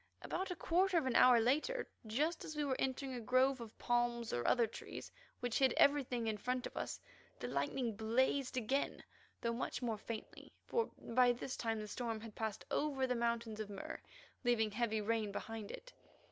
About a quarter of an hour later, just as we were entering a grove of palms or other trees which hid everything in front of us, the lightning blazed again, though much more faintly, for by this time the storm had passed over the Mountains of Mur, leaving heavy rain behind it.